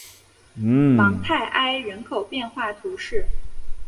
芒泰埃人口变化图示